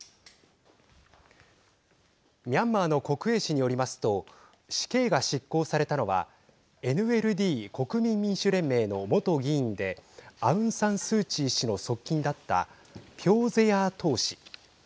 ミャンマーの国営紙によりますと死刑が執行されたのはＮＬＤ＝国民民主連盟の元議員でアウン・サン・スー・チー氏の側近だったピョー・ゼヤー・トー氏。